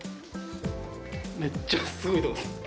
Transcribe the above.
めっちゃすごいとこですね。